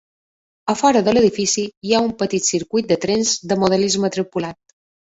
A fora de l'edifici hi ha un petit circuit de trens de modelisme tripulat.